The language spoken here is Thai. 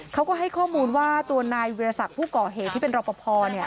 เขาก็ให้ข้อมูลว่าตัวนายวิทยาศักดิ์ผู้ก่อเหตุที่เป็นรอปภ